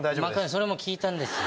それも聞いたんです。